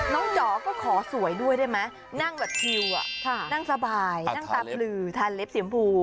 จ๋อก็ขอสวยด้วยได้ไหมนั่งแบบชิวนั่งสบายนั่งตาปลือทานเล็บสีมพู